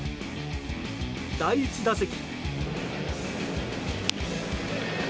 第１打席。